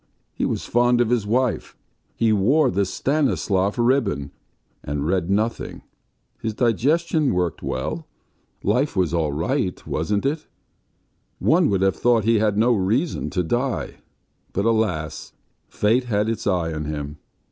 He was fond of his wife, he wore the Stanislav ribbon, and read nothing. ... His digestion worked well .... life was all right, wasn't it? One would have thought he had no reason to die, but alas! fate had its eye on him.